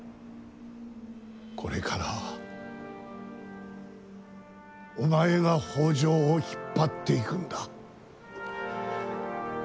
これからはお前が北条を引っ張っていくんだ。